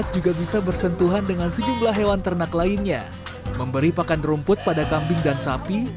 juga bisa bersentuhan dengan sejumlah hewan ternak lainnya memberi pakan rumput pada kambing dan sapi